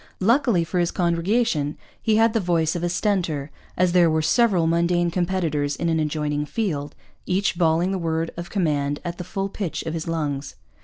Luckily for his congregation he had the voice of a Stentor, as there were several mundane competitors in an adjoining field, each bawling the word of command at the full pitch of his lungs.